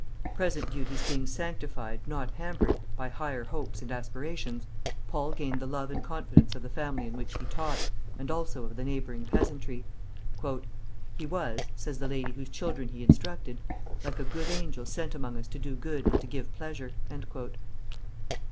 Present duties being sanctified, not hampered, by higher hopes and aspirations, Paul gained the love and confidence of the family in which he taught, and also of the neighboring peasantry. "He was," says the lady whose children he instructed, "like a good angel sent among us to do good and to give pleasure."